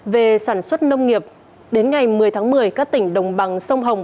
về sản xuất nông nghiệp đến ngày một mươi tháng một mươi các tỉnh đồng bằng sông hồng